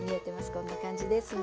こんな感じですね。